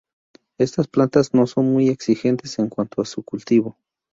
Están plantas no son muy exigentes en cuanto a su cultivo.